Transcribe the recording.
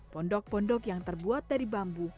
pondok pondok yang terbuat dari bambu